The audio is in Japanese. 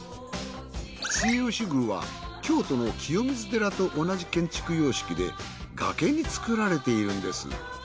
末吉宮は京都の清水寺と同じ建築様式で崖に造られているんです。